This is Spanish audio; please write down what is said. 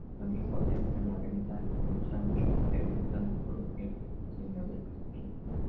Don Quijote entra en la venta con Sancho, preguntando por el señor del castillo.